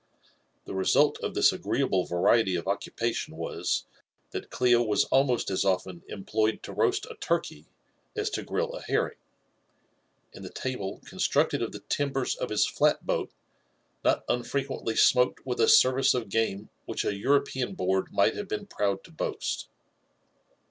The result of this agreeable va riety of occupation was, that Clio was almost as often employed to roast a turkey, as to grill a herring ; and the table constructed of the timbers of his flat boat not unfrequently smoked with a service of game which an European board might have been proud to boast."